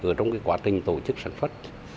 ở trong quá trình tổ chức sản phất